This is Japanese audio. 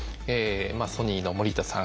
ソニーの盛田さん